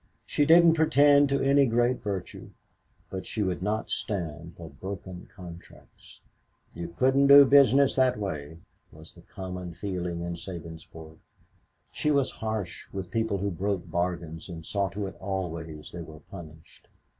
She didn't pretend to any great virtue, but she would not stand for broken contracts. "You couldn't do business that way," was the common feeling in Sabinsport. She was harsh with people who broke bargains and saw to it always they were punished.